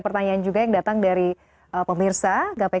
pertanyaan juga yang datang dari pemirsa gapai